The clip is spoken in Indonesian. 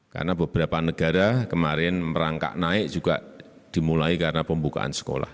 karena beberapa negara kemarin merangkak naik juga dimulai karena pembukaan sekolah